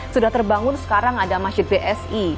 sudah terbangun sekarang ada masjid bsi